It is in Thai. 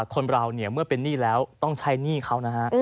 คนเราเนี่ยเมื่อเป็นหนี้แล้วต้องใช้หนี้เขานะฮะ